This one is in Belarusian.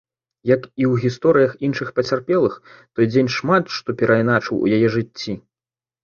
Як і ў гісторыях іншых пацярпелых, той дзень шмат што перайначыў у яе жыцці.